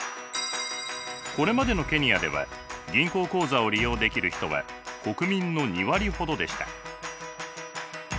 これまでのケニアでは銀行口座を利用できる人は国民の２割ほどでした。